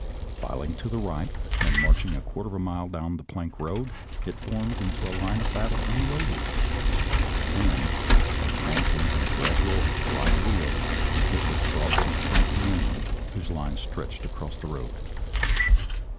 Filing to the right, and march ing a quarter of a mile down the plank road, it formed into line of battle and loaded. Then, advancing in a gradual right wheel, it was brought to front the enemy, whose lines stretched across the road.